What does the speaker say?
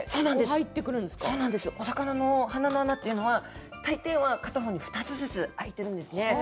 お魚の鼻の穴は大抵は片方に２つずつ開いているんですね。